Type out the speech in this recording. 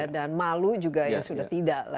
dan malu juga sudah tidak